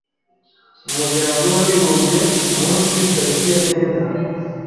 ’Umuryango w’Abibumbye umunsi tariki ya cyenda.